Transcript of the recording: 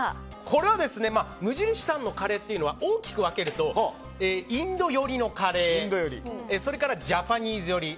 これは無印さんのカレーは大きく分けるとインド寄りのカレーそれからジャパニーズ寄り。